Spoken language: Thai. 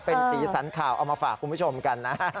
เป็นสีสันข่าวเอามาฝากคุณผู้ชมกันนะฮะ